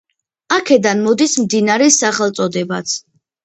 აქედან მოდის მდინარის სახელწოდებაც.